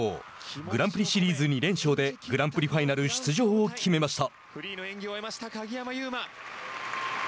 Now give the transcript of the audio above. グランプリシリーズ２連勝でグランプリファイナル出場を決めました。